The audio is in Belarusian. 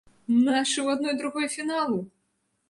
Нашы ў адной другой фіналу!!!